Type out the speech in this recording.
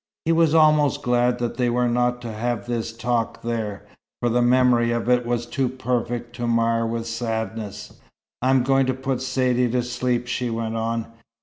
He was almost glad that they were not to have this talk there; for the memory of it was too perfect to mar with sadness. "I'm going to put Saidee to sleep," she went on.